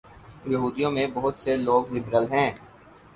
یہودیوں میں بہت سے لوگ لبرل ہیں۔